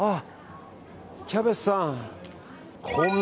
キャベツさん。